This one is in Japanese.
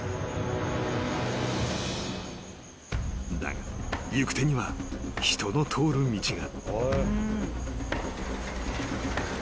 ［だが行く手には人の通る道が］